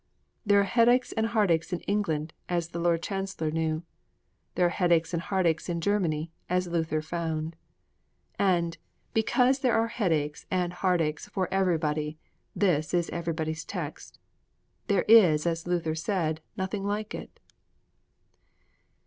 There are headaches and heartaches in England, as the Lord Chancellor knew! There are headaches and heartaches in Germany, as Luther found! And, because there are headaches and heartaches for everybody, this is Everybody's Text. There is, as Luther said, nothing like it.